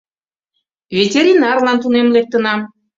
Ветеринарлан тунем лектынам.